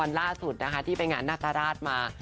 วันล่าสุดที่ไปงานนัตรราชมา